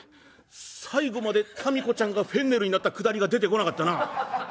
「最後までたみこちゃんがフェンネルになったくだりが出てこなかったな。